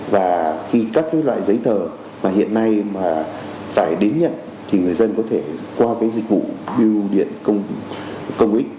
và khi các cái loại giấy tờ mà hiện nay mà phải đến nhận thì người dân có thể qua cái dịch vụ biêu điện công ích